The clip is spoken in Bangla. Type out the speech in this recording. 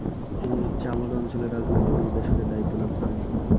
তিনি চামদ অঞ্চলের রাজনৈতিক নির্দেশকের দায়িত্ব লাভ করেন।